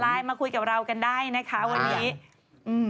ไลน์มาคุยกับเรากันได้นะคะวันนี้